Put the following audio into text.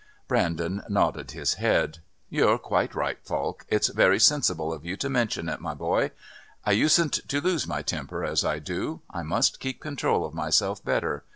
Brandon nodded his head. "You're quite right, Falk. It's very sensible of you to mention it, my boy. I usedn't to lose my temper as I do. I must keep control of myself better.